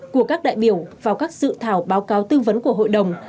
của các đại biểu vào các dự thảo báo cáo tư vấn của hội đồng